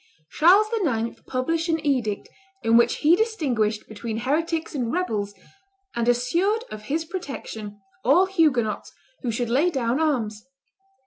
Charles IX. published an edict in which he distinguished between heretics and rebels, and assured of his protection all Huguenots who should lay down arms.